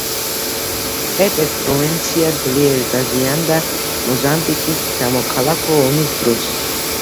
ტეტეს პროვინცია ძლიერ დაზიანდა მოზამბიკის სამოქალაქო ომის დროს.